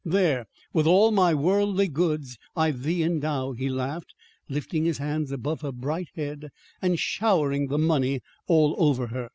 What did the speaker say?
"There, 'with all my worldly goods I thee endow,'" he laughed, lifting his hands above her bright head, and showering the money all over her.